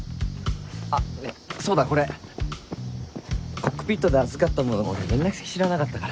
コックピットで預かったものの連絡先知らなかったから。